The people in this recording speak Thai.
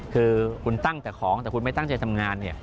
คือคุณตั้งแต่ของแต่คุณไม่ตั้งใจทำงานเนี่ย